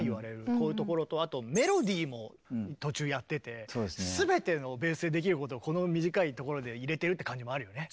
こういうところとあとメロディーも途中やってて全てのベースでできることをこの短いところで入れてるって感じもあるよね。